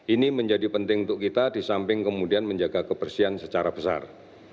ini menjadi penting untuk kita di samping kemudian menjaga kebersihan secara besar